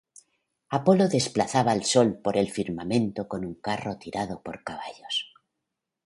Apolo desplazaba el sol por el firmamento con un carro tirado por caballos.